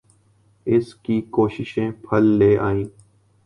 اس کی کوششیں پھل لے آئیں۔